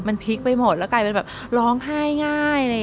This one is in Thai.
มันพลิกไปหมดแล้วกลายเป็นแบบร้องไห้ง่าย